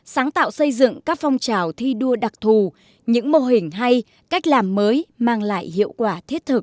sáng tạo xây dựng các phong trào thi đua đặc thù những mô hình hay cách làm mới mang lại hiệu quả thiết thực